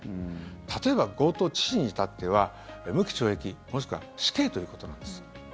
例えば強盗致死に至っては無期懲役もしくは死刑ということなんです。